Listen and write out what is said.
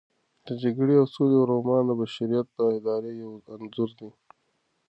د جګړې او سولې رومان د بشریت د ارادې یو انځور دی.